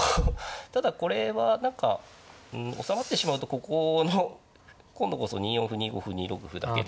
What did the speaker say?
ただこれは何かおさまってしまうとここの今度こそ２四歩２五歩２六歩だけで。